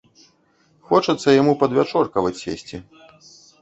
Хочацца яму падвячоркаваць сесці.